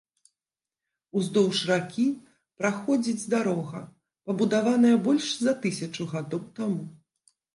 Уздоўж ракі праходзіць дарога, пабудаваная больш за тысячу гадоў таму.